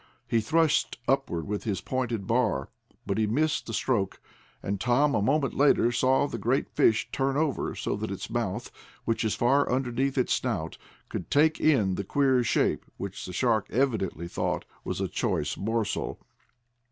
He thrust upward with his pointed bar. But he missed the stroke, and Tom, a moment later, saw the great fish turn over so that its mouth, which is far underneath its snout, could take in the queer shape which the shark evidently thought was a choice morsel.